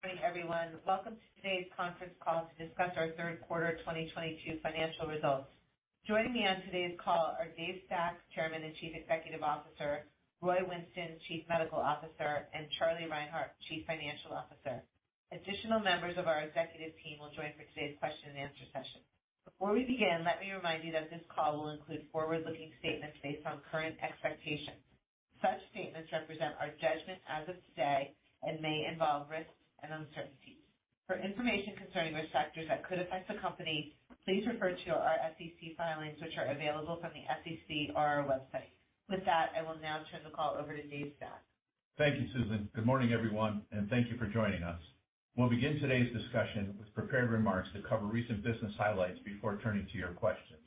Good morning, everyone. Welcome to today's conference call to discuss our third quarter 2022 financial results. Joining me on today's call are Dave Stack, Chairman and Chief Executive Officer, Roy Winston, Chief Medical Officer, and Charlie Reinhart, Chief Financial Officer. Additional members of our executive team will join for today's question and answer session. Before we begin, let me remind you that this call will include forward-looking statements based on current expectations. Such statements represent our judgment as of today and may involve risks and uncertainties. For information concerning risk factors that could affect the company, please refer to our SEC filings, which are available from the SEC or our website. With that, I will now turn the call over to Dave Stack. Thank you, Susan. Good morning, everyone, and thank you for joining us. We'll begin today's discussion with prepared remarks to cover recent business highlights before turning to your questions.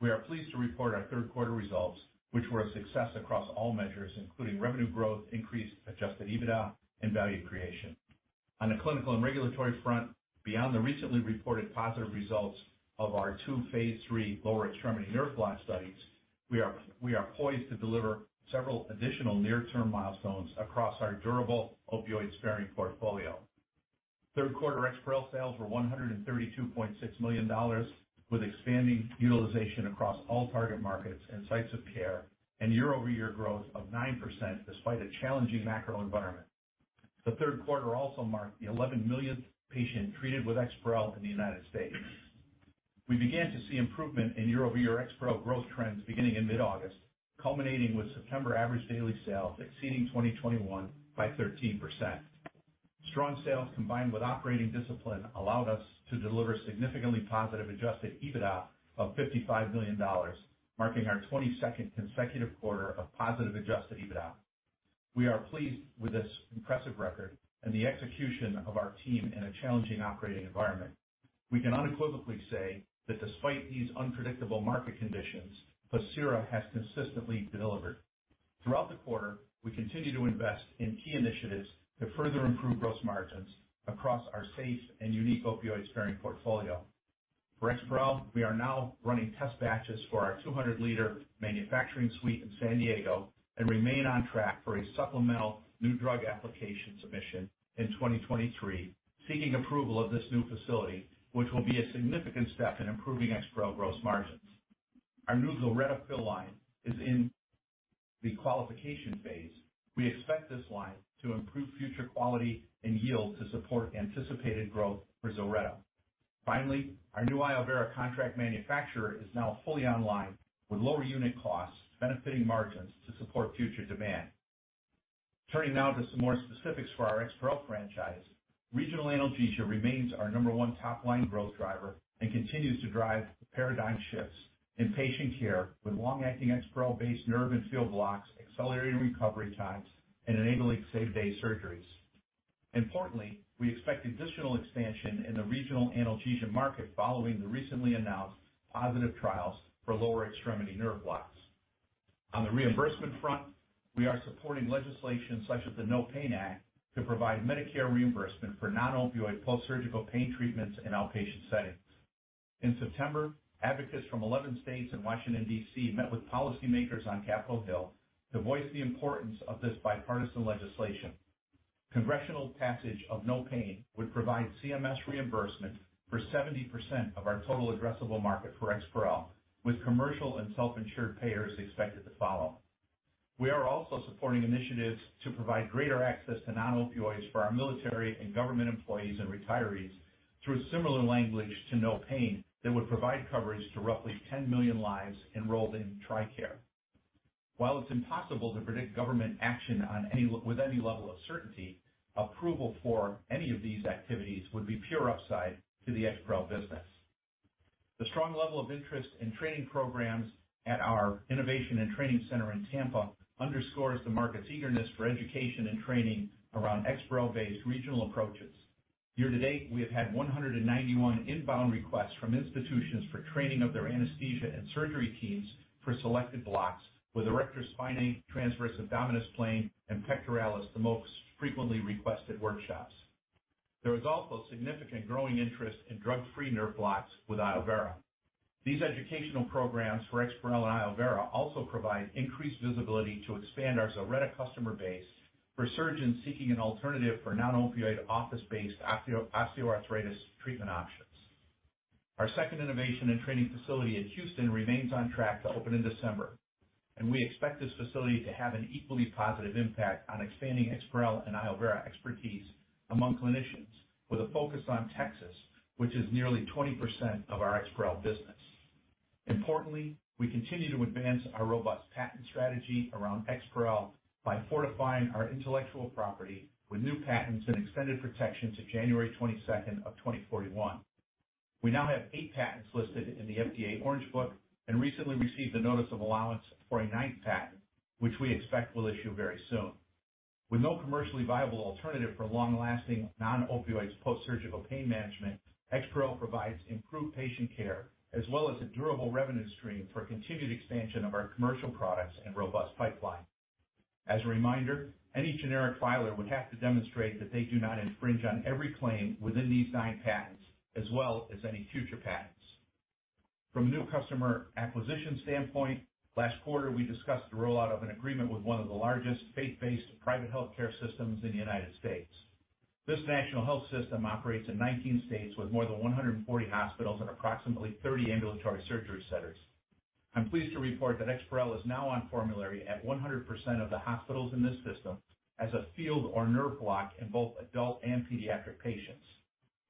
We are pleased to report our third quarter results, which were a success across all measures, including revenue growth, increased adjusted EBITDA, and value creation. On the clinical and regulatory front, beyond the recently reported positive results of our two phase 3 lower extremity nerve block studies, we are poised to deliver several additional near-term milestones across our durable opioid sparing portfolio. Third quarter EXPAREL sales were $132.6 million, with expanding utilization across all target markets and sites of care and year-over-year growth of 9% despite a challenging macro environment. The third quarter also marked the 11 millionth patient treated with EXPAREL in the United States. We began to see improvement in year-over-year EXPAREL growth trends beginning in mid-August, culminating with September average daily sales exceeding 2021 by 13%. Strong sales combined with operating discipline allowed us to deliver significantly positive adjusted EBITDA of $55 million, marking our 22nd consecutive quarter of positive adjusted EBITDA. We are pleased with this impressive record and the execution of our team in a challenging operating environment. We can unequivocally say that despite these unpredictable market conditions, Pacira has consistently delivered. Throughout the quarter, we continue to invest in key initiatives to further improve gross margins across our safe and unique opioid-sparing portfolio. For EXPAREL, we are now running test batches for our 200-liter manufacturing suite in San Diego and remain on track for a supplemental new drug application submission in 2023, seeking approval of this new facility, which will be a significant step in improving EXPAREL gross margins. Our new ZILRETTA fill line is in the qualification phase. We expect this line to improve future quality and yield to support anticipated growth for ZILRETTA. Finally, our new iovera° contract manufacturer is now fully online with lower unit costs benefiting margins to support future demand. Turning now to some more specifics for our EXPAREL franchise. Regional analgesia remains our number one top-line growth driver and continues to drive paradigm shifts in patient care with long-acting EXPAREL-based nerve and field blocks, accelerated recovery times, and enabling same-day surgeries. Importantly, we expect additional expansion in the regional analgesia market following the recently announced positive trials for lower extremity nerve blocks. On the reimbursement front, we are supporting legislation such as the NOPAIN Act to provide Medicare reimbursement for non-opioid post-surgical pain treatments in outpatient settings. In September, advocates from 11 states and Washington, D.C. met with policymakers on Capitol Hill to voice the importance of this bipartisan legislation. Congressional passage of NOPAIN would provide CMS reimbursement for 70% of our total addressable market for EXPAREL, with commercial and self-insured payers expected to follow. We are also supporting initiatives to provide greater access to non-opioids for our military and government employees and retirees through similar language to NOPAIN that would provide coverage to roughly 10 million lives enrolled in TRICARE. While it's impossible to predict government action on any with any level of certainty, approval for any of these activities would be pure upside to the EXPAREL business. The strong level of interest in training programs at our innovation and training center in Tampa underscores the market's eagerness for education and training around EXPAREL-based regional approaches. Year-to-date, we have had 191 inbound requests from institutions for training of their anesthesia and surgery teams for selected blocks, with erector spinae, transversus abdominis plane, and pectoralis the most frequently requested workshops. There is also significant growing interest in drug-free nerve blocks with iovera°. These educational programs for EXPAREL and iovera° also provide increased visibility to expand our ZILRETTA customer base for surgeons seeking an alternative for non-opioid office-based osteoarthritis treatment options. Our second innovation and training facility in Houston remains on track to open in December, and we expect this facility to have an equally positive impact on expanding EXPAREL and iovera° expertise among clinicians with a focus on Texas, which is nearly 20% of our EXPAREL business. Importantly, we continue to advance our robust patent strategy around EXPAREL by fortifying our intellectual property with new patents and extended protection to January 22nd, 2041. We now have eight patents listed in the FDA Orange Book and recently received a notice of allowance for a ninth patent, which we expect will issue very soon. With no commercially viable alternative for long-lasting non-opioids post-surgical pain management, EXPAREL provides improved patient care as well as a durable revenue stream for continued expansion of our commercial products and robust pipeline. As a reminder, any generic filer would have to demonstrate that they do not infringe on every claim within these nine patents as well as any future patents. From a new customer acquisition standpoint, last quarter we discussed the rollout of an agreement with one of the largest faith-based private healthcare systems in the United States. This national health system operates in 19 states with more than 140 hospitals and approximately 30 ambulatory surgery centers. I'm pleased to report that EXPAREL is now on formulary at 100% of the hospitals in this system as a field or nerve block in both adult and pediatric patients.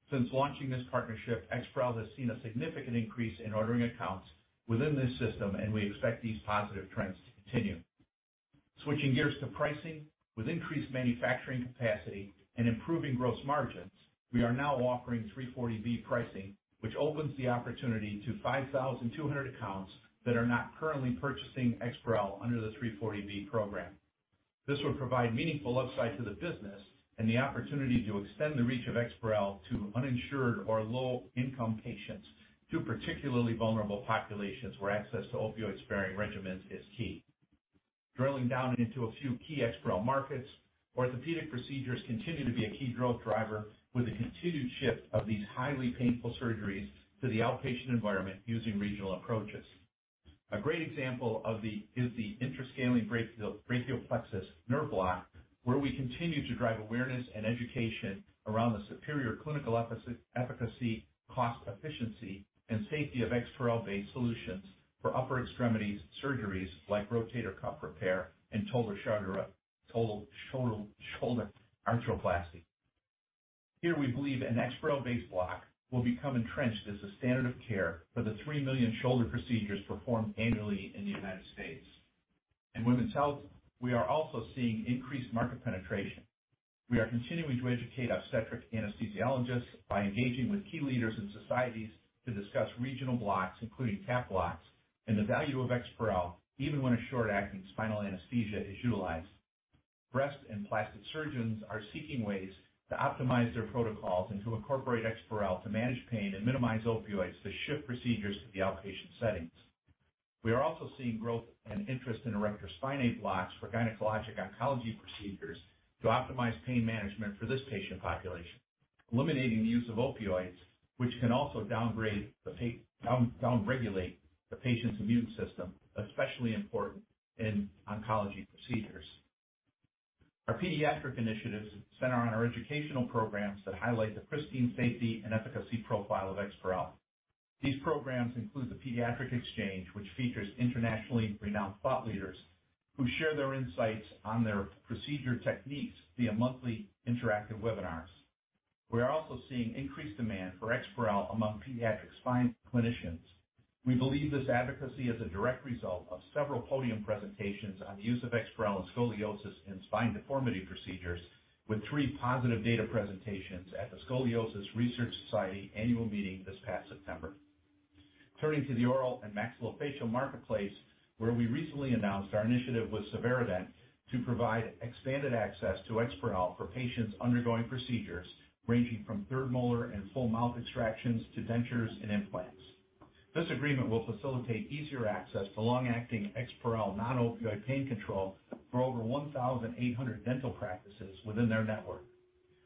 Since launching this partnership, EXPAREL has seen a significant increase in ordering accounts within this system, and we expect these positive trends to continue. Switching gears to pricing. With increased manufacturing capacity and improving gross margins, we are now offering 340B pricing, which opens the opportunity to 5,200 accounts that are not currently purchasing EXPAREL under the 340B program. This will provide meaningful upside to the business and the opportunity to extend the reach of EXPAREL to uninsured or low-income patients to particularly vulnerable populations where access to opioid-sparing regimens is key. Drilling down into a few key EXPAREL markets, orthopedic procedures continue to be a key growth driver with a continued shift of these highly painful surgeries to the outpatient environment using regional approaches. A great example is the interscalene brachial plexus nerve block, where we continue to drive awareness and education around the superior clinical efficacy, cost efficiency, and safety of EXPAREL-based solutions for upper extremities surgeries like rotator cuff repair and total shoulder arthroplasty. Here we believe an EXPAREL-based block will become entrenched as a standard of care for the 3 million shoulder procedures performed annually in the United States. In women's health, we are also seeing increased market penetration. We are continuing to educate obstetric anesthesiologists by engaging with key leaders in societies to discuss regional blocks, including TAP blocks, and the value of EXPAREL even when a short-acting spinal anesthesia is utilized. Breast and plastic surgeons are seeking ways to optimize their protocols and to incorporate EXPAREL to manage pain and minimize opioids to shift procedures to the outpatient settings. We are also seeing growth and interest in erector spinae blocks for gynecologic oncology procedures to optimize pain management for this patient population, eliminating the use of opioids which can also down-regulate the patient's immune system, especially important in oncology procedures. Our pediatric initiatives center on our educational programs that highlight the pristine safety and efficacy profile of EXPAREL. These programs include the Pediatric Exchange, which features internationally renowned thought leaders who share their insights on their procedure techniques via monthly interactive webinars. We are also seeing increased demand for EXPAREL among pediatric spine clinicians. We believe this advocacy is a direct result of several podium presentations on the use of EXPAREL in scoliosis and spine deformity procedures, with three positive data presentations at the Scoliosis Research Society annual meeting this past September. Turning to the oral and maxillofacial marketplace, where we recently announced our initiative with Sevaredent to provide expanded access to EXPAREL for patients undergoing procedures ranging from third molar and full mouth extractions to dentures and implants. This agreement will facilitate easier access to long-acting EXPAREL non-opioid pain control for over 1,800 dental practices within their network.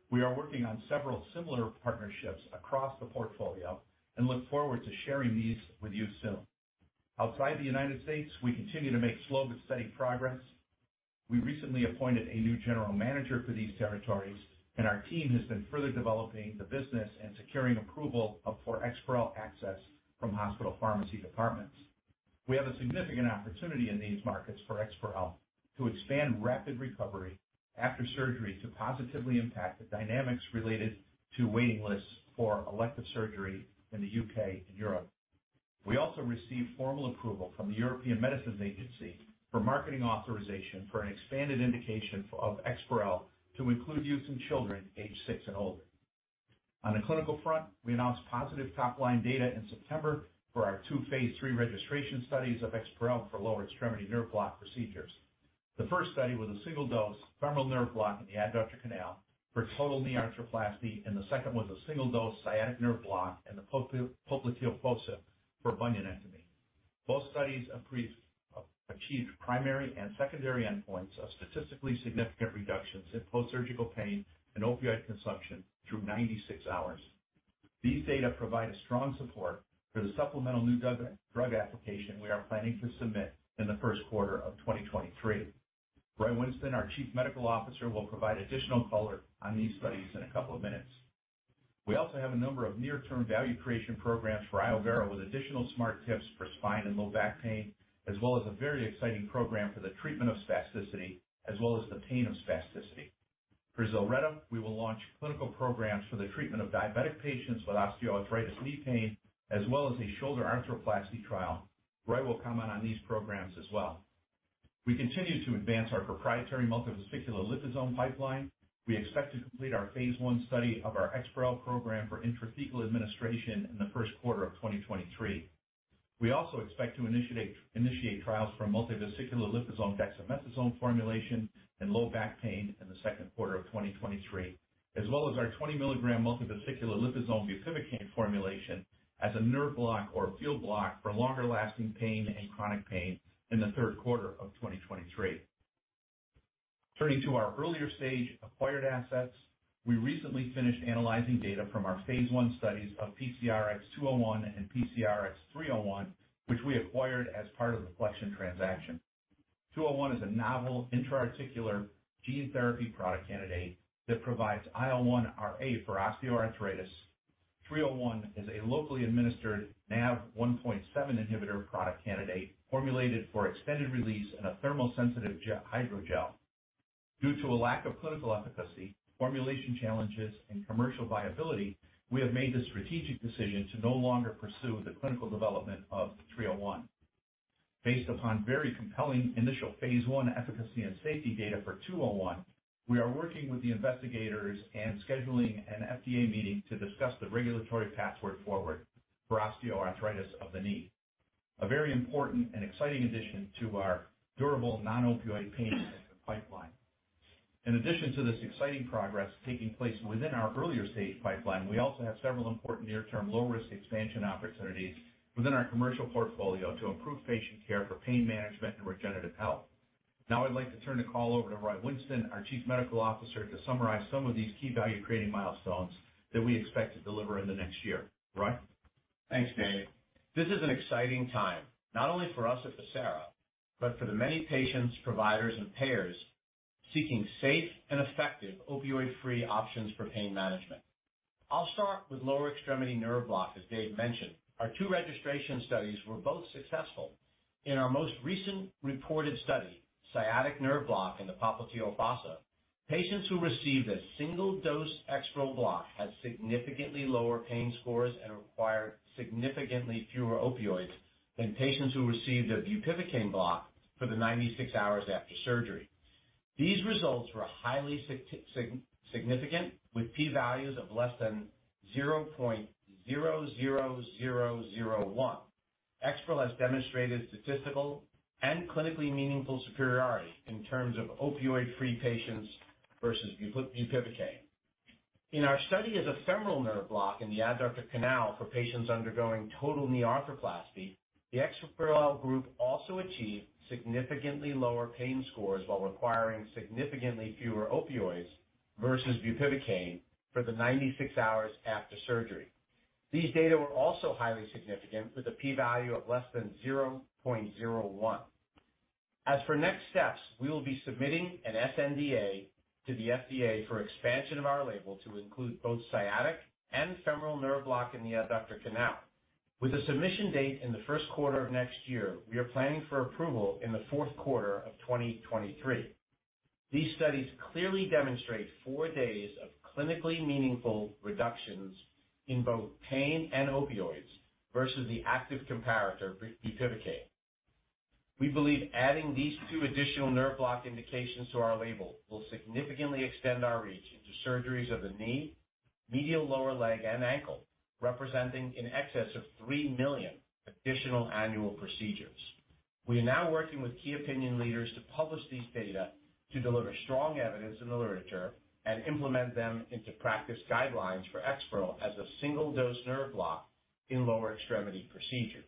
We are working on several similar partnerships across the portfolio and look forward to sharing these with you soon. Outside the United States, we continue to make slow but steady progress. We recently appointed a new general manager for these territories, and our team has been further developing the business and securing approval for EXPAREL access from hospital pharmacy departments. We have a significant opportunity in these markets for EXPAREL to expand rapid recovery after surgery to positively impact the dynamics related to waiting lists for elective surgery in the UK and Europe. We also received formal approval from the European Medicines Agency for marketing authorization for an expanded indication for EXPAREL to include youth and children aged six and older. On the clinical front, we announced positive top-line data in September for our two phase III registration studies of EXPAREL for lower extremity nerve block procedures. The first study was a single dose femoral nerve block in the adductor canal for total knee arthroplasty, and the second was a single dose sciatic nerve block in the popliteal fossa for bunionectomy. Both studies achieved primary and secondary endpoints of statistically significant reductions in post-surgical pain and opioid consumption through 96 hours. These data provide a strong support for the supplemental new drug application we are planning to submit in the first quarter of 2023. Roy Winston, our Chief Medical Officer, will provide additional color on these studies in a couple of minutes. We also have a number of near-term value creation programs for iovera° with additional Smart Tips for spine and low back pain, as well as a very exciting program for the treatment of spasticity as well as the pain of spasticity. For ZILRETTA, we will launch clinical programs for the treatment of diabetic patients with osteoarthritis knee pain as well as a shoulder arthroplasty trial. Roy will comment on these programs as well. We continue to advance our proprietary multivesicular liposome pipeline. We expect to complete our phase I study of our EXPAREL program for intrathecal administration in the first quarter of 2023. We expect to initiate trials for a multivesicular liposome dexamethasone formulation in low back pain in the second quarter of 2023, as well as our 20 mg multivesicular liposome bupivacaine formulation as a nerve block or a field block for longer-lasting pain and chronic pain in the third quarter of 2023. Turning to our earlier stage acquired assets, we recently finished analyzing data from our phase I studies of PCRX-201 and PCRX-301, which we acquired as part of the Flexion transaction. 201 is a novel intra-articular gene therapy product candidate that provides IL-1Ra for osteoarthritis. 301 is a locally administered NaV1.7 inhibitor product candidate formulated for extended release in a thermosensitive gel hydrogel. Due to a lack of clinical efficacy, formulation challenges, and commercial viability, we have made the strategic decision to no longer pursue the clinical development of three oh one. Based upon very compelling initial phase one efficacy and safety data for two oh one, we are working with the investigators and scheduling an FDA meeting to discuss the regulatory path forward for osteoarthritis of the knee. A very important and exciting addition to our durable non-opioid pain management pipeline. In addition to this exciting progress taking place within our earlier stage pipeline, we also have several important near term low risk expansion opportunities within our commercial portfolio to improve patient care for pain management and regenerative health. Now I'd like to turn the call over to Roy Winston, our Chief Medical Officer, to summarize some of these key value creating milestones that we expect to deliver in the next year. Roy? Thanks, Dave. This is an exciting time, not only for us at Pacira, but for the many patients, providers, and payers seeking safe and effective opioid-free options for pain management. I'll start with lower extremity nerve block as Dave mentioned. Our two registration studies were both successful. In our most recent reported study, sciatic nerve block in the popliteal fossa, patients who received a single dose EXPAREL block had significantly lower pain scores and required significantly fewer opioids than patients who received a bupivacaine block for the 96 hours after surgery. These results were highly significant with P values of less than 0.0001. EXPAREL has demonstrated statistical and clinically meaningful superiority in terms of opioid-free patients versus bupivacaine. In our study of the femoral nerve block in the adductor canal for patients undergoing total knee arthroplasty, the EXPAREL group also achieved significantly lower pain scores while requiring significantly fewer opioids versus bupivacaine for the 96 hours after surgery. These data were also highly significant with a P value of less than 0.01. As for next steps, we will be submitting an sNDA to the FDA for expansion of our label to include both sciatic and femoral nerve block in the adductor canal. With a submission date in the first quarter of next year, we are planning for approval in the fourth quarter of 2023. These studies clearly demonstrate four days of clinically meaningful reductions in both pain and opioids versus the active comparator bupivacaine. We believe adding these two additional nerve block indications to our label will significantly extend our reach into surgeries of the knee, medial lower leg, and ankle, representing in excess of 3 million additional annual procedures. We are now working with key opinion leaders to publish these data to deliver strong evidence in the literature and implement them into practice guidelines for EXPAREL as a single dose nerve block in lower extremity procedures.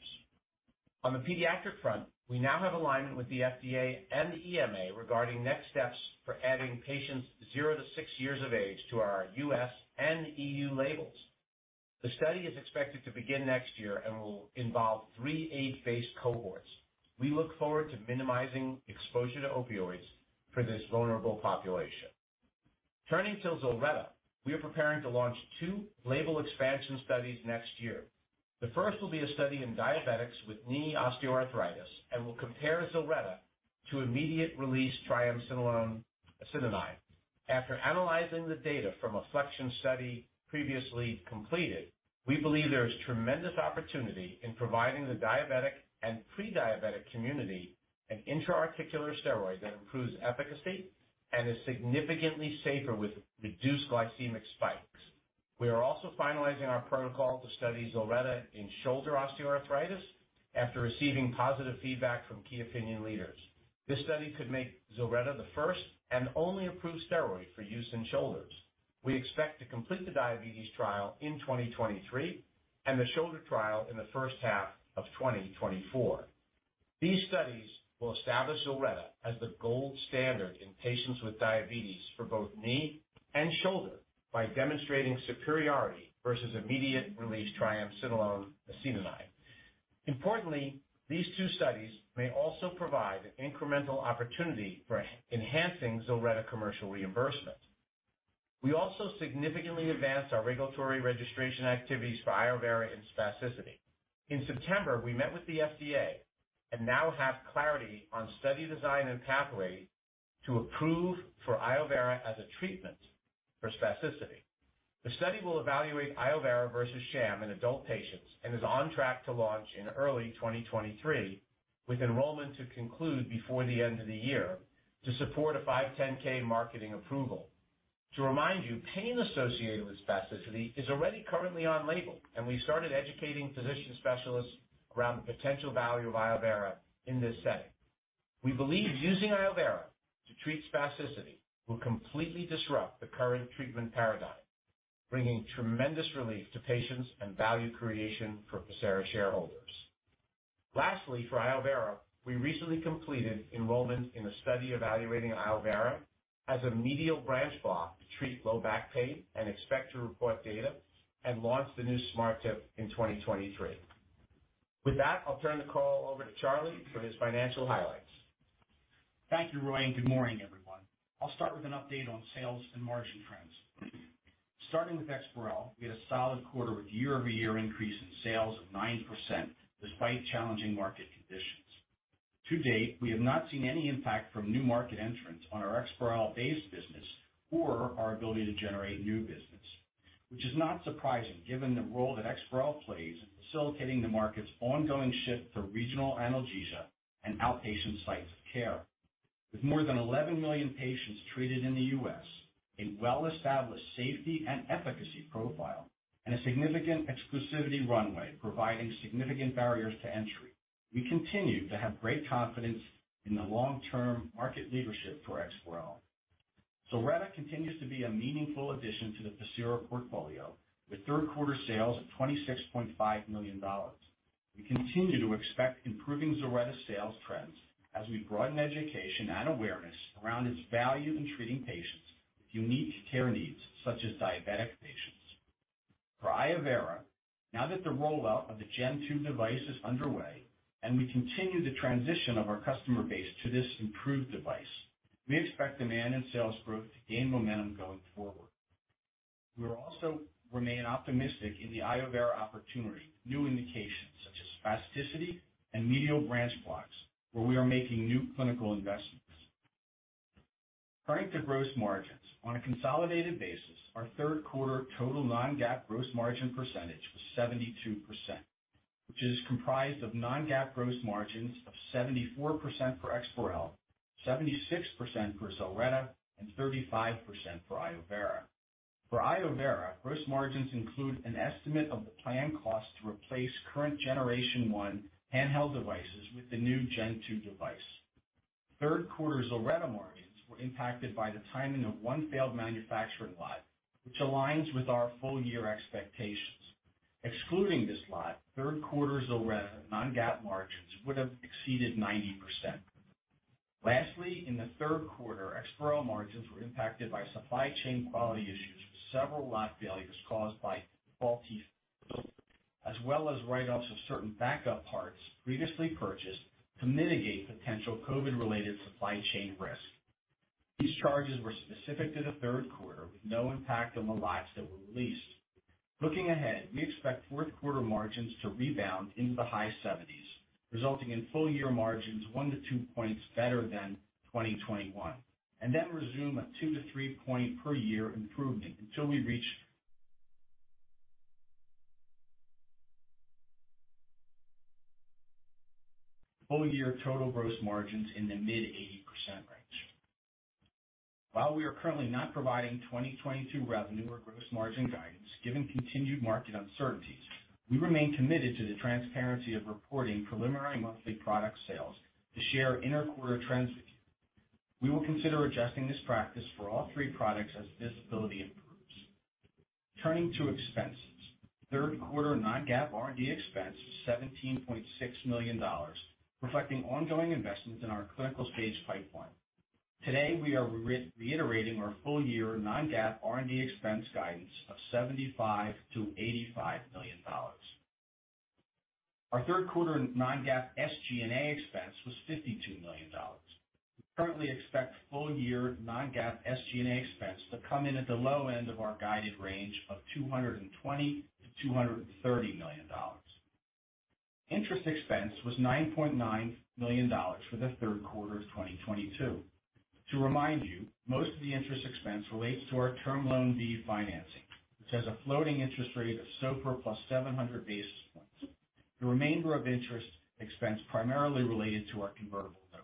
On the pediatric front, we now have alignment with the FDA and the EMA regarding next steps for adding patients 0-6 years of age to our US and EU labels. The study is expected to begin next year and will involve three age-based cohorts. We look forward to minimizing exposure to opioids for this vulnerable population. Turning to ZILRETTA, we are preparing to launch two label expansion studies next year. The first will be a study in diabetics with knee osteoarthritis and will compare ZILRETTA to immediate release triamcinolone acetonide. After analyzing the data from a Flexion study previously completed, we believe there is tremendous opportunity in providing the diabetic and pre-diabetic community an intra-articular steroid that improves efficacy and is significantly safer with reduced glycemic spikes. We are also finalizing our protocol to study ZILRETTA in shoulder osteoarthritis after receiving positive feedback from key opinion leaders. This study could make ZILRETTA the first and only approved steroid for use in shoulders. We expect to complete the diabetes trial in 2023, and the shoulder trial in the first half of 2024. These studies will establish ZILRETTA as the gold standard in patients with diabetes for both knee and shoulder by demonstrating superiority versus immediate release triamcinolone acetonide. Importantly, these two studies may also provide an incremental opportunity for enhancing ZILRETTA commercial reimbursement. We also significantly advanced our regulatory registration activities for iovera° in spasticity. In September, we met with the FDA and now have clarity on study design and pathway to approve for iovera° as a treatment for spasticity. The study will evaluate iovera° versus sham in adult patients and is on track to launch in early 2023, with enrollment to conclude before the end of the year to support a 510(k) marketing approval. To remind you, pain associated with spasticity is already currently on label, and we started educating physician specialists around the potential value of iovera° in this setting. We believe using iovera° to treat spasticity will completely disrupt the current treatment paradigm, bringing tremendous relief to patients and value creation for Pacira shareholders. Lastly, for iovera°, we recently completed enrollment in a study evaluating iovera° as a medial branch block to treat low back pain and expect to report data and launch the new Smart Tip in 2023. With that, I'll turn the call over to Charlie for his financial highlights. Thank you, Roy, and good morning, everyone. I'll start with an update on sales and margin trends. Starting with EXPAREL, we had a solid quarter with year-over-year increase in sales of 9% despite challenging market conditions. To date, we have not seen any impact from new market entrants on our EXPAREL base business or our ability to generate new business. Which is not surprising given the role that EXPAREL plays in facilitating the market's ongoing shift for regional analgesia and outpatient sites of care. With more than 11 million patients treated in the U.S., a well-established safety and efficacy profile and a significant exclusivity runway providing significant barriers to entry, we continue to have great confidence in the long-term market leadership for EXPAREL. ZILRETTA continues to be a meaningful addition to the Pacira portfolio, with third quarter sales of $26.5 million. We continue to expect improving ZILRETTA sales trends as we broaden education and awareness around its value in treating patients with unique care needs, such as diabetic patients. For iovera°, now that the rollout of the Gen 2 device is underway and we continue the transition of our customer base to this improved device, we expect demand and sales growth to gain momentum going forward. We also remain optimistic in the iovera° opportunity with new indications such as spasticity and medial branch blocks, where we are making new clinical investments. Turning to gross margins. On a consolidated basis, our third quarter total non-GAAP gross margin percentage was 72%, which is comprised of non-GAAP gross margins of 74% for EXPAREL, 76% for ZILRETTA, and 35% for iovera°. For iovera°, gross margins include an estimate of the planned cost to replace current generation 1 handheld devices with the new Gen 2 device. Third quarter ZILRETTA margins were impacted by the timing of one failed manufacturing lot, which aligns with our full-year expectations. Excluding this lot, third quarter ZILRETTA non-GAAP margins would have exceeded 90%. Lastly, in the third quarter, EXPAREL margins were impacted by supply chain quality issues with several lot failures caused by faulty filters, as well as write-offs of certain backup parts previously purchased to mitigate potential COVID-related supply chain risk. These charges were specific to the third quarter, with no impact on the lots that were released. Looking ahead, we expect fourth quarter margins to rebound into the high 70s%, resulting in full-year margins 1 points-2 points better than 2021. Resume a 2 points-3-point per year improvement until we reach full-year total gross margins in the mid-80% range. While we are currently not providing 2022 revenue or gross margin guidance, given continued market uncertainties, we remain committed to the transparency of reporting preliminary monthly product sales to share inter-quarter trends with you. We will consider adjusting this practice for all three products as visibility improves. Turning to expenses. Third quarter non-GAAP R&D expense was $17.6 million, reflecting ongoing investments in our clinical-stage pipeline. Today, we are reiterating our full-year non-GAAP R&D expense guidance of $75 million-$85 million. Our third quarter non-GAAP SG&A expense was $52 million. We currently expect full-year non-GAAP SG&A expense to come in at the low end of our guided range of $220 million-$230 million. Interest expense was $9.9 million for the third quarter of 2022. To remind you, most of the interest expense relates to our term loan B financing, which has a floating interest rate of SOFR plus 700 basis points. The remainder of interest expense primarily related to our convertible notes.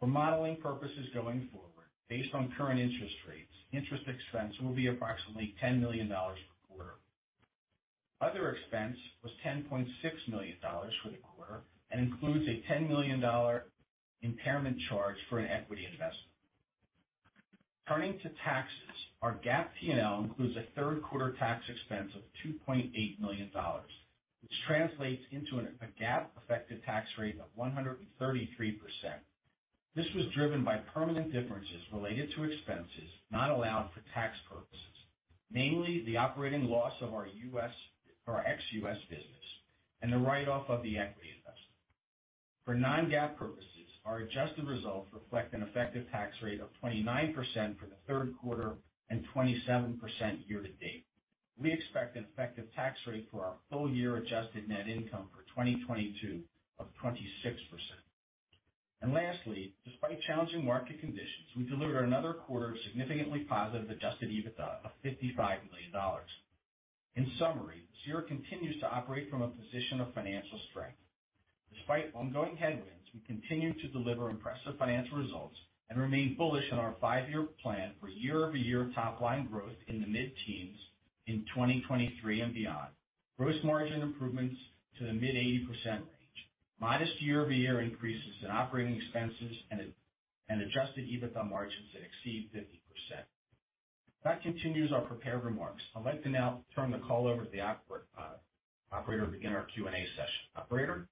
For modeling purposes going forward, based on current interest rates, interest expense will be approximately $10 million per quarter. Other expense was $10.6 million for the quarter, and includes a $10 million impairment charge for an equity investment. Turning to taxes, our GAAP P&L includes a third quarter tax expense of $2.8 million, which translates into a GAAP effective tax rate of 133%. This was driven by permanent differences related to expenses not allowed for tax purposes, namely the operating loss of our U.S. or ex-U.S. business, and the write-off of the equity investment. For non-GAAP purposes, our adjusted results reflect an effective tax rate of 29% for the third quarter and 27% year-to-date. We expect an effective tax rate for our full-year adjusted net income for 2022 of 26%. Lastly, despite challenging market conditions, we delivered another quarter of significantly positive adjusted EBITDA of $55 million. In summary, Pacira continues to operate from a position of financial strength. Despite ongoing headwinds, we continue to deliver impressive financial results and remain bullish on our five-year plan for year-over-year top line growth in the mid-teens in 2023 and beyond. Gross margin improvements to the mid-80% range, modest year-over-year increases in operating expenses, and adjusted EBITDA margins that exceed 50%. That continues our prepared remarks. I'd like to now turn the call over to the operator to begin our Q&A session. Operator?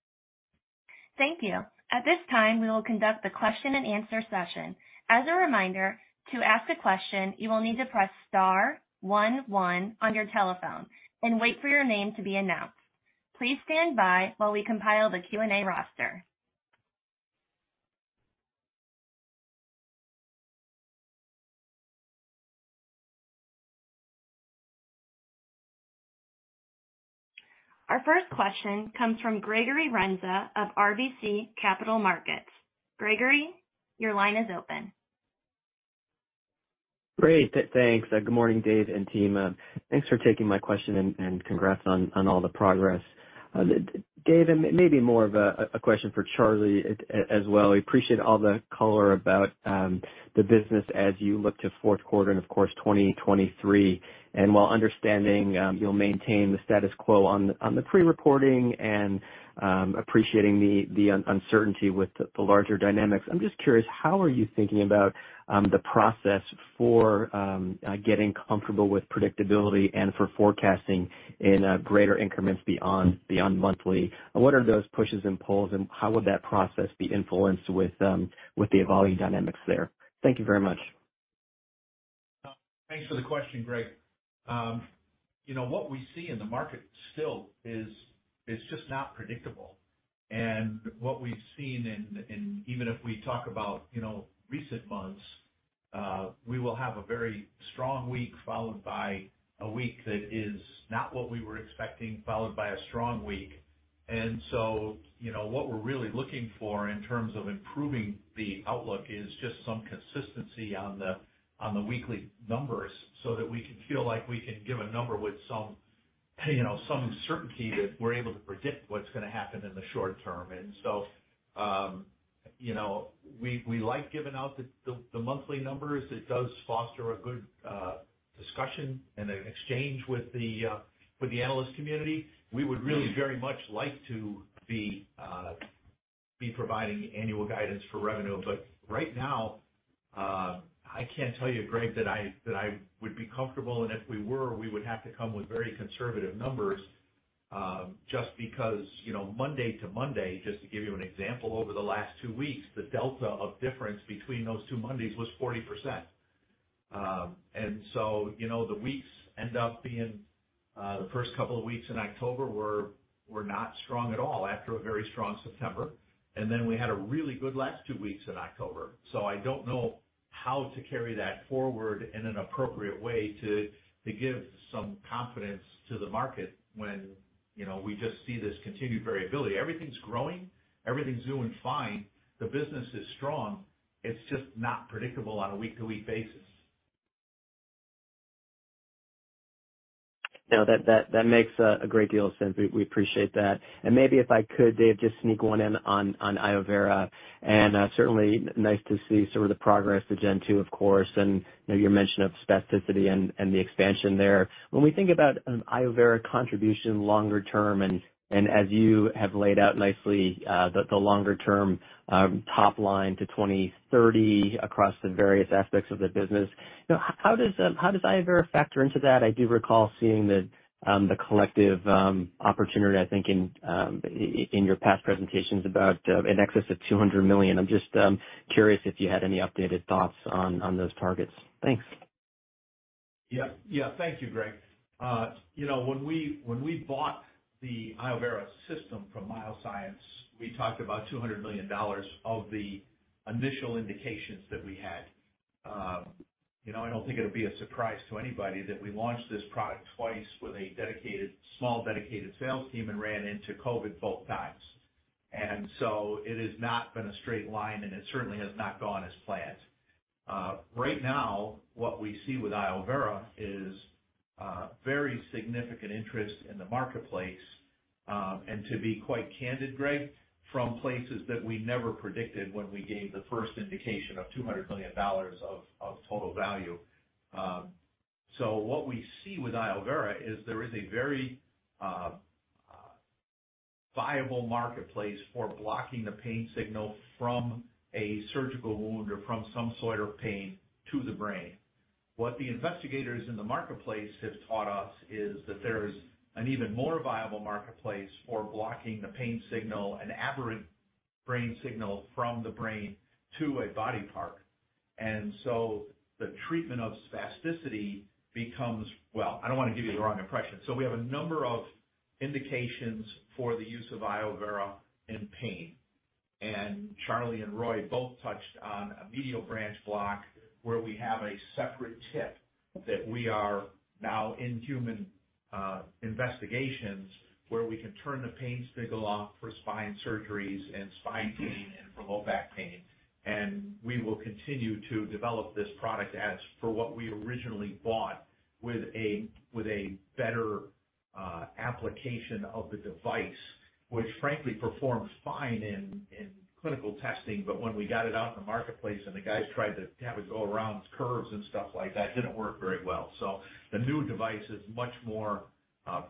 Thank you. At this time, we will conduct the question-and-answer session. As a reminder, to ask a question, you will need to press star one one on your telephone and wait for your name to be announced. Please stand by while we compile the Q&A roster. Our first question comes from Gregory Renza of RBC Capital Markets. Gregory, your line is open. Great. Thanks. Good morning, Dave and team. Thanks for taking my question and congrats on all the progress. Dave, and maybe more of a question for Charlie as well. We appreciate all the color about the business as you look to fourth quarter and of course, 2023. While understanding, you'll maintain the status quo on the pre-reporting and appreciating the uncertainty with the larger dynamics. I'm just curious, how are you thinking about the process for getting comfortable with predictability and for forecasting in greater increments beyond monthly? What are those pushes and pulls, and how would that process be influenced with the evolving dynamics there? Thank you very much. Thanks for the question, Greg. You know, what we see in the market still is just not predictable. What we've seen, even if we talk about, you know, recent months, we will have a very strong week followed by a week that is not what we were expecting, followed by a strong week. You know, what we're really looking for in terms of improving the outlook is just some consistency on the weekly numbers so that we can feel like we can give a number with some, you know, some certainty that we're able to predict what's gonna happen in the short term. You know, we like giving out the monthly numbers. It does foster a good discussion and an exchange with the analyst community. We would really very much like to be providing annual guidance for revenue. Right now, I can't tell you, Greg, that I would be comfortable, and if we were, we would have to come with very conservative numbers, just because, you know, Monday to Monday, just to give you an example, over the last two weeks, the delta of difference between those two Mondays was 40%. You know, the weeks end up being the first couple of weeks in October were not strong at all after a very strong September. We had a really good last two weeks in October. I don't know how to carry that forward in an appropriate way to give some confidence to the market when, you know, we just see this continued variability. Everything's growing. Everything's doing fine. The business is strong. It's just not predictable on a week-to-week basis. No, that makes a great deal of sense. We appreciate that. Maybe if I could, Dave, just sneak one in on iovera°, and certainly nice to see sort of the progress, the Gen 2, of course, and you know, your mention of spasticity and the expansion there. When we think about an iovera° contribution longer term, and as you have laid out nicely, the longer term top line to 2030 across the various aspects of the business, you know, how does iovera° factor into that? I do recall seeing the collective opportunity, I think in your past presentations about in excess of $200 million. I'm just curious if you had any updated thoughts on those targets. Thanks. Yeah. Yeah. Thank you, Greg. You know, when we bought the iovera° system from MyoScience, we talked about $200 million of the initial indications that we had. You know, I don't think it'll be a surprise to anybody that we launched this product twice with a dedicated small sales team and ran into COVID both times. It has not been a straight line, and it certainly has not gone as planned. Right now, what we see with iovera° is very significant interest in the marketplace, and to be quite candid, Greg, from places that we never predicted when we gave the first indication of $200 million of total value. What we see with iovera° is there is a very viable marketplace for blocking the pain signal from a surgical wound or from some sort of pain to the brain. What the investigators in the marketplace have taught us is that there is an even more viable marketplace for blocking the pain signal, an aberrant brain signal from the brain to a body part. Well, I don't wanna give you the wrong impression. We have a number of indications for the use of iovera° in pain. Charlie and Roy both touched on a medial branch block where we have a separate tip that we are now in human investigations, where we can turn the pain signal off for spine surgeries and spine pain and from low back pain. We will continue to develop this product as for what we originally bought with a better application of the device, which frankly performs fine in clinical testing, but when we got it out in the marketplace and the guys tried to have it go around curves and stuff like that, it didn't work very well. The new device is much more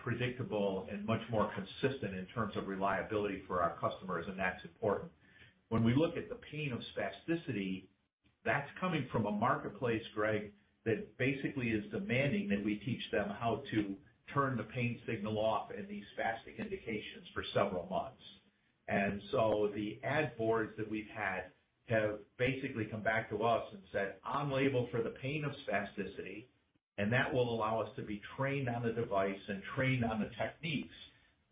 predictable and much more consistent in terms of reliability for our customers, and that's important. When we look at the pain of spasticity, that's coming from a marketplace, Greg, that basically is demanding that we teach them how to turn the pain signal off in these spastic indications for several months. The ad boards that we've had have basically come back to us and said, "On-label for the pain of spasticity, and that will allow us to be trained on the device and trained on the techniques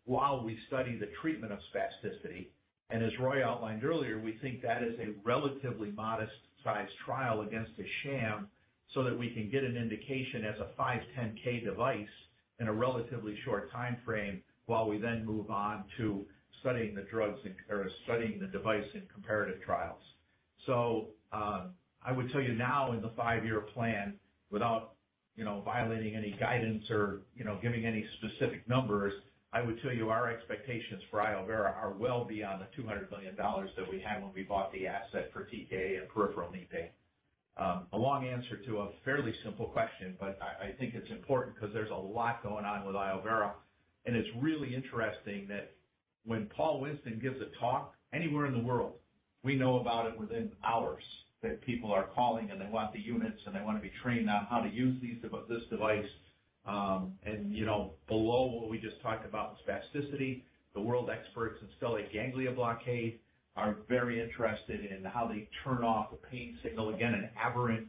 while we study the treatment of spasticity." As Roy outlined earlier, we think that is a relatively modest-sized trial against a sham so that we can get an indication as a 510(k) device in a relatively short timeframe while we then move on to studying the device in comparative trials. I would tell you now in the five-year plan, without, you know, violating any guidance or, you know, giving any specific numbers, I would tell you our expectations for iovera° are well beyond the $200 million that we had when we bought the asset for TKA and peripheral knee pain. A long answer to a fairly simple question, but I think it's important because there's a lot going on with iovera°, and it's really interesting that when Roy Winston gives a talk anywhere in the world, we know about it within hours, that people are calling, and they want the units, and they wanna be trained on how to use this device. You know, below what we just talked about with spasticity, the world experts in stellate ganglion blockade are very interested in how they turn off a pain signal, again, an aberrant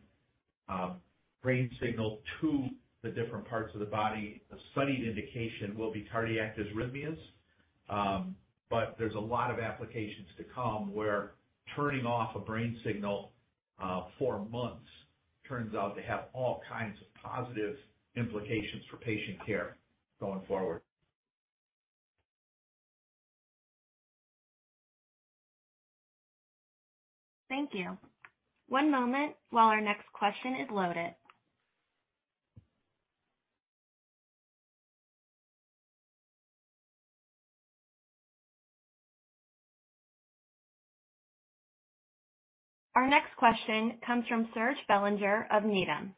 brain signal to the different parts of the body. A studied indication will be cardiac dysrhythmias. There's a lot of applications to come where turning off a brain signal for months turns out to have all kinds of positive implications for patient care going forward. Thank you. One moment while our next question is loaded. Our next question comes from Serge Belanger of Needham.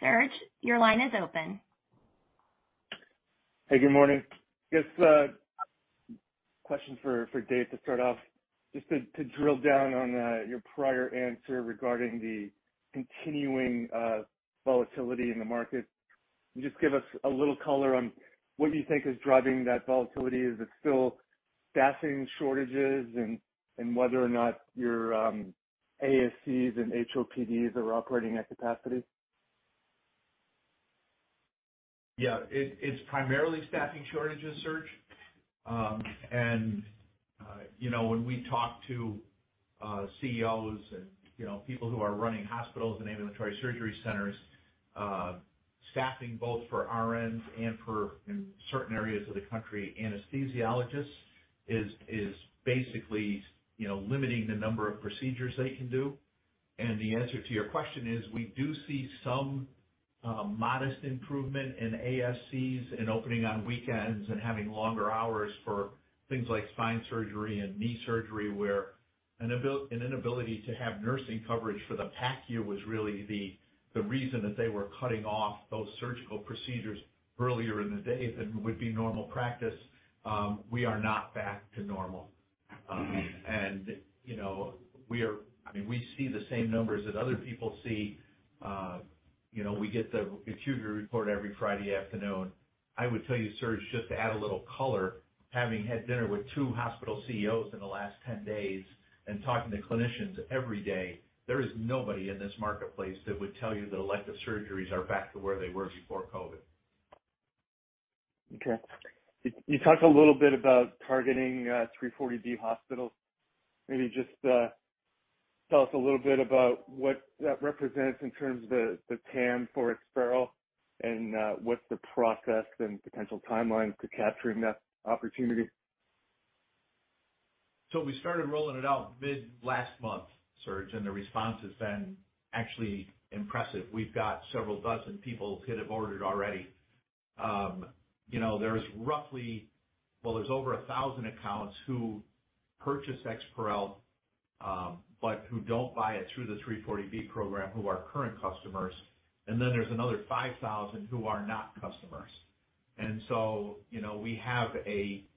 Serge, your line is open. Hey, good morning. Just a question for Dave to start off. Just to drill down on your prior answer regarding the continuing volatility in the market. Can you just give us a little color on what you think is driving that volatility? Is it still staffing shortages and whether or not your ASCs and HOPDs are operating at capacity? It's primarily staffing shortages, Serge. You know, when we talk to CEOs and, you know, people who are running hospitals and ambulatory surgery centers, staffing both for RNs and for, in certain areas of the country, anesthesiologists is basically, you know, limiting the number of procedures they can do. The answer to your question is we do see some modest improvement in ASCs and opening on weekends and having longer hours for things like spine surgery and knee surgery, where an inability to have nursing coverage for the PACU was really the reason that they were cutting off those surgical procedures earlier in the day than would be normal practice. We are not back to normal. You know, I mean, we see the same numbers that other people see. You know, we get the Compustat report every Friday afternoon. I would tell you, Serge, just to add a little color, having had dinner with 2 hospital CEOs in the last 10 days and talking to clinicians every day, there is nobody in this marketplace that would tell you that elective surgeries are back to where they were before COVID. Okay. You talked a little bit about targeting 340B hospitals. Maybe just tell us a little bit about what that represents in terms of the TAM for EXPAREL and what's the process and potential timeline to capturing that opportunity? We started rolling it out mid last month, Serge, and the response has been actually impressive. We've got several dozen people that have ordered already. You know, there's over 1,000 accounts who purchase EXPAREL, but who don't buy it through the 340B program who are current customers. Then there's another 5,000 who are not customers. You know, we have an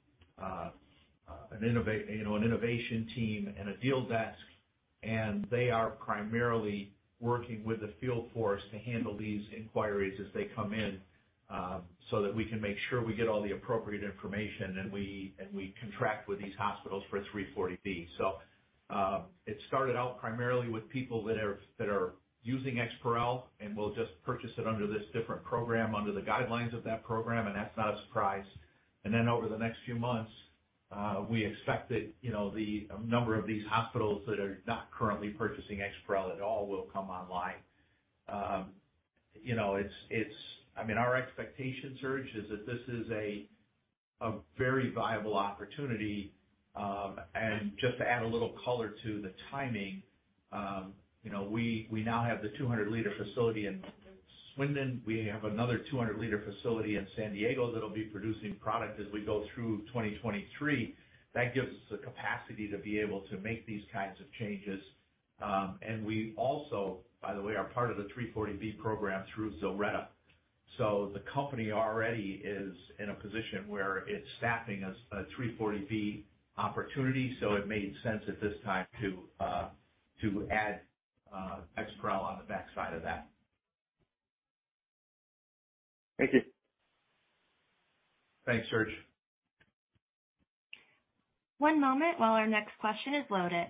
innovation team and a deal desk, and they are primarily working with the field force to handle these inquiries as they come in, so that we can make sure we get all the appropriate information, and we contract with these hospitals for 340B. It started out primarily with people that are using EXPAREL and will just purchase it under this different program under the guidelines of that program, and that's not a surprise. Over the next few months, we expect that, you know, a number of these hospitals that are not currently purchasing EXPAREL at all will come online. You know, it's I mean, our expectation, Serge, is that this is a very viable opportunity. Just to add a little color to the timing, you know, we now have the 200-liter facility in Swindon. We have another 200-liter facility in San Diego that'll be producing product as we go through 2023. That gives us the capacity to be able to make these kinds of changes. We also, by the way, are part of the 340B program through ZILRETTA. The company already is in a position where it's staffing as a 340B opportunity. It made sense at this time to add EXPAREL on the backside of that. Thank you. Thanks, Serge. One moment while our next question is loaded.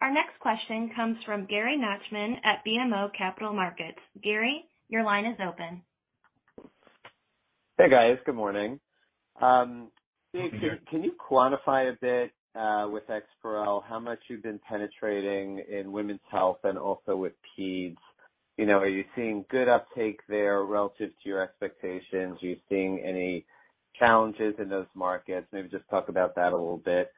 Our next question comes from Gary Nachman at BMO Capital Markets. Gary, your line is open. Hey, guys. Good morning. Good morning. Dave, can you quantify a bit with EXPAREL how much you've been penetrating in women's health and also with peds? You know, are you seeing good uptake there relative to your expectations? Are you seeing any challenges in those markets? Maybe just talk about that a little bit.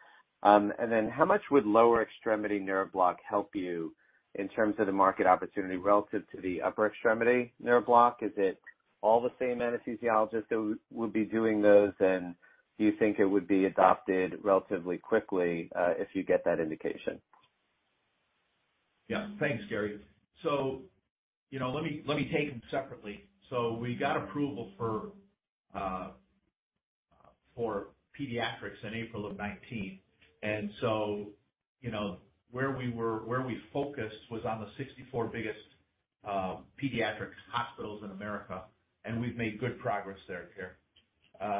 And then how much would lower extremity nerve block help you in terms of the market opportunity relative to the upper extremity nerve block? Is it all the same anesthesiologist that would be doing those, and do you think it would be adopted relatively quickly if you get that indication? Yeah. Thanks, Gary. You know, let me take them separately. We got approval for pediatrics in April of 2019. You know, where we focused was on the 64 biggest pediatric hospitals in America, and we've made good progress there, Gary.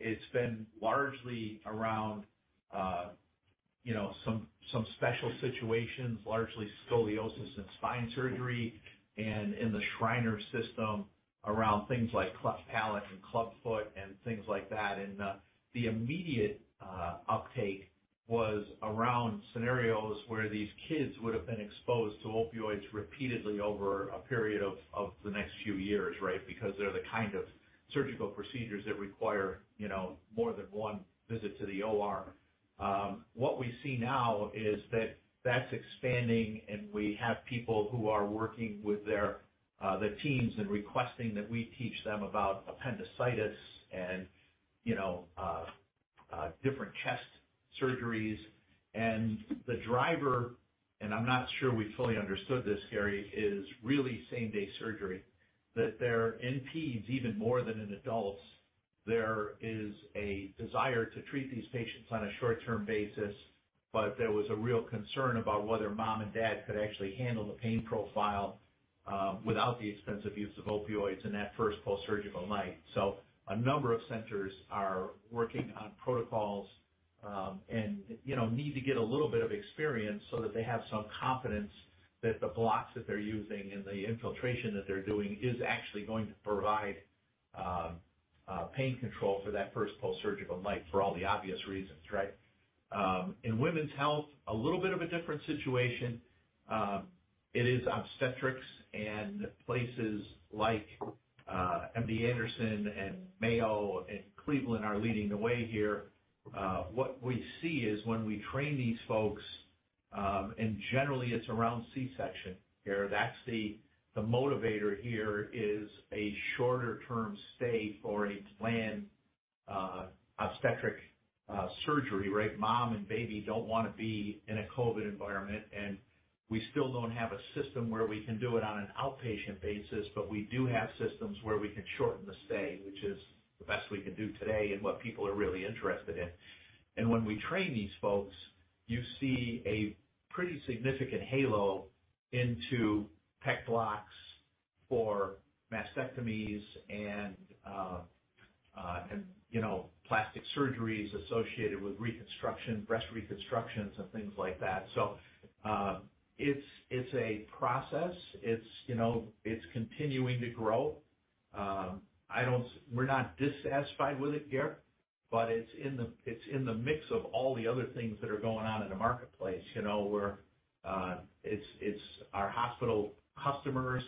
It's been largely around you know, some special situations, largely scoliosis and spine surgery and in the Shriners system around things like cleft palate and clubfoot and things like that. The immediate uptake was around scenarios where these kids would have been exposed to opioids repeatedly over a period of the next few years, right? Because they're the kind of surgical procedures that require you know, more than one visit to the OR. What we see now is that that's expanding, and we have people who are working with their teams and requesting that we teach them about appendicitis and, you know, different chest surgeries. The driver, and I'm not sure we fully understood this, Gary, is really same-day surgery. In peds, even more than in adults, there is a desire to treat these patients on a short-term basis, but there was a real concern about whether mom and dad could actually handle the pain profile without the extensive use of opioids in that first post-surgical night. A number of centers are working on protocols, and you know need to get a little bit of experience so that they have some confidence that the blocks that they're using and the infiltration that they're doing is actually going to provide pain control for that first post-surgical night for all the obvious reasons, right? In women's health, a little bit of a different situation. It is obstetrics and places like MD Anderson and Mayo and Cleveland are leading the way here. What we see is when we train these folks, and generally it's around C-section, Gary. That's the motivator here is a shorter term stay for a planned obstetric surgery, right? Mom and baby don't wanna be in a COVID environment, and we still don't have a system where we can do it on an outpatient basis, but we do have systems where we can shorten the stay, which is the best we can do today and what people are really interested in. When we train these folks, you see a pretty significant halo into PECS blocks for mastectomies and, you know, plastic surgeries associated with reconstruction, breast reconstructions and things like that. It's a process. It's continuing to grow. We're not dissatisfied with it, Gary, but it's in the mix of all the other things that are going on in the marketplace. Our hospital customers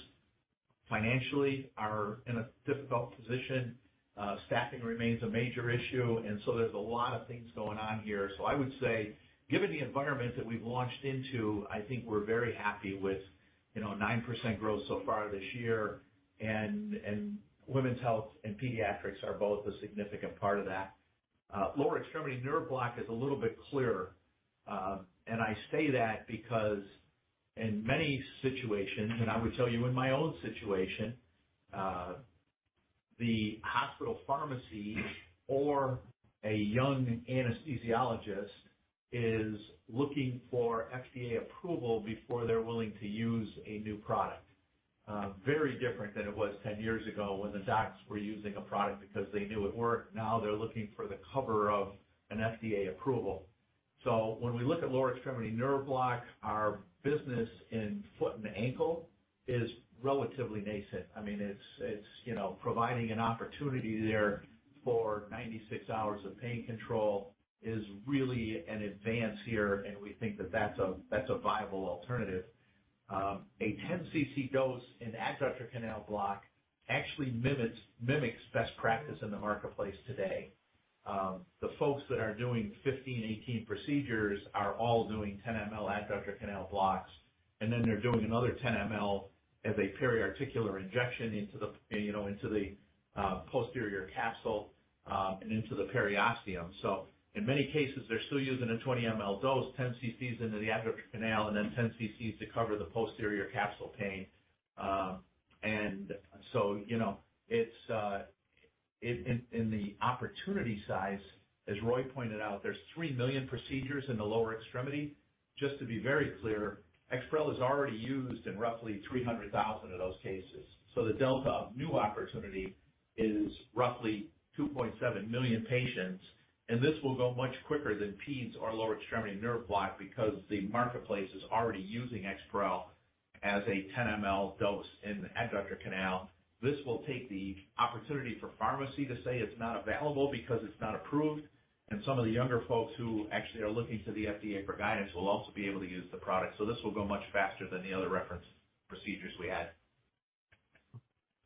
financially are in a difficult position. Staffing remains a major issue. There's a lot of things going on here. I would say, given the environment that we've launched into, I think we're very happy with, you know, 9% growth so far this year. Women's health and pediatrics are both a significant part of that. Lower extremity nerve block is a little bit clearer. I say that because in many situations, and I would tell you in my own situation, the hospital pharmacy or a young anesthesiologist is looking for FDA approval before they're willing to use a new product. Very different than it was 10 years ago when the docs were using a product because they knew it worked. Now they're looking for the cover of an FDA approval. When we look at lower extremity nerve block, our business in foot and ankle is relatively nascent. I mean, it's you know, providing an opportunity there for 96 hours of pain control is really an advance here, and we think that that's a viable alternative. A 10 cc dose in adductor canal block actually mimics best practice in the marketplace today. The folks that are doing 15-18 procedures are all doing 10 mL adductor canal blocks. They're doing another 10 mL as a periarticular injection into the you know, into the posterior capsule, and into the periosteum. In many cases, they're still using a 20 mL dose, 10 ccs into the adductor canal and then 10 ccs to cover the posterior capsule pain. You know, it's. In the opportunity size, as Roy pointed out, there's 3 million procedures in the lower extremity. Just to be very clear, EXPAREL is already used in roughly 300,000 of those cases. The delta of new opportunity is roughly 2.7 million patients, and this will go much quicker than PECS or lower extremity nerve block because the marketplace is already using EXPAREL as a 10 mL dose in the adductor canal. This will take the opportunity for pharmacy to say it's not available because it's not approved. Some of the younger folks who actually are looking to the FDA for guidance will also be able to use the product. This will go much faster than the other reference procedures we had.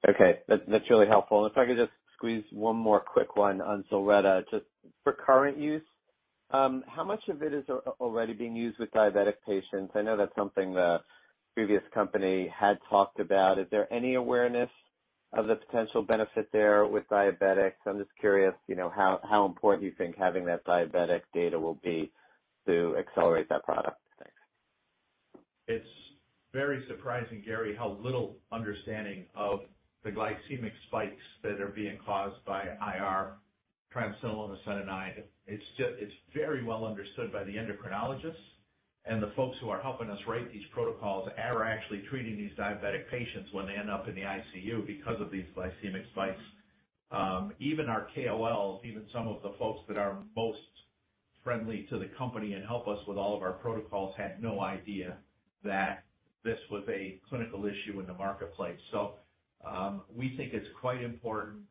Okay. That's really helpful. If I could just squeeze one more quick one on ZILRETTA. Just for current use, how much of it is already being used with diabetic patients? I know that's something the previous company had talked about. Is there any awareness of the potential benefit there with diabetics? I'm just curious, you know, how important you think having that diabetic data will be to accelerate that product. Thanks. It's very surprising, Gary, how little understanding of the glycemic spikes that are being caused by IR triamcinolone acetonide. It's very well understood by the endocrinologists and the folks who are helping us write these protocols are actually treating these diabetic patients when they end up in the ICU because of these glycemic spikes. Even our KOLs, even some of the folks that are most friendly to the company and help us with all of our protocols had no idea that this was a clinical issue in the marketplace. We think it's quite important.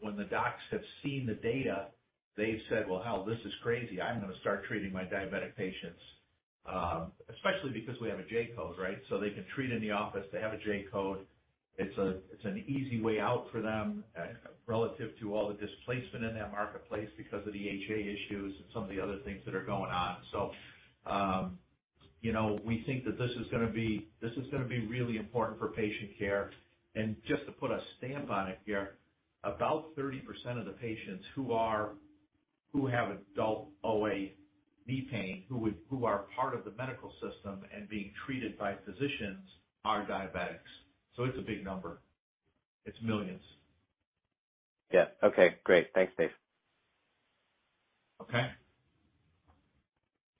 When the docs have seen the data, they've said, "Well, hell, this is crazy. I'm gonna start treating my diabetic patients." Especially because we have a J-code, right? They can treat in the office. They have a J-code. It's an easy way out for them relative to all the displacement in that marketplace because of the HA issues and some of the other things that are going on. You know, we think that this is gonna be really important for patient care. Just to put a stamp on it here, about 30% of the patients who have adult OA knee pain, who are part of the medical system and being treated by physicians are diabetics. It's a big number. It's millions. Yeah. Okay, great. Thanks, Dave. Okay.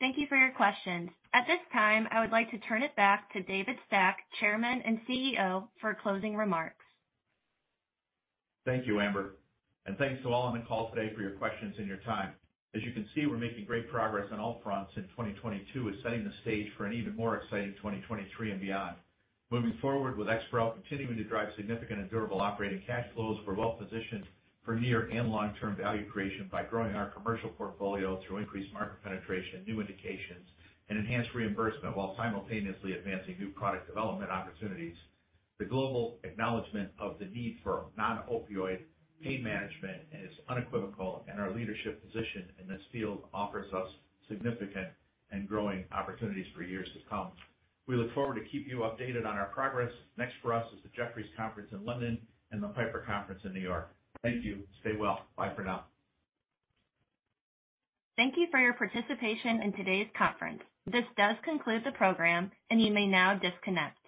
Thank you for your questions. At this time, I would like to turn it back to David Stack, Chairman and CEO, for closing remarks. Thank you, Amber, and thanks to all on the call today for your questions and your time. As you can see, we're making great progress on all fronts in 2022 and setting the stage for an even more exciting 2023 and beyond. Moving forward with EXPAREL continuing to drive significant and durable operating cash flows, we're well-positioned for near and long-term value creation by growing our commercial portfolio through increased market penetration, new indications, and enhanced reimbursement while simultaneously advancing new product development opportunities. The global acknowledgement of the need for non-opioid pain management is unequivocal, and our leadership position in this field offers us significant and growing opportunities for years to come. We look forward to keep you updated on our progress. Next for us is the Jefferies conference in London and the Piper conference in New York. Thank you. Stay well. Bye for now. Thank you for your participation in today's conference. This does conclude the program, and you may now disconnect.